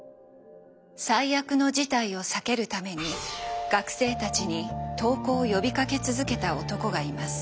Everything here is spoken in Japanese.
最悪の事態を避けるために学生たちに投降を呼びかけ続けた男がいます。